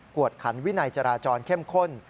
วดขันวินัยจราจรเข้มข้น